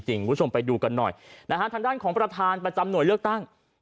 คุณผู้ชมไปดูกันหน่อยนะฮะทางด้านของประธานประจำหน่วยเลือกตั้ง